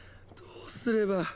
どうすれば。